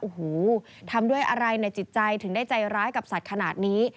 โอ้โหทำด้วยอะไรในจิตใจถึงได้ใจร้ายกับสัตว์ขนาดนี้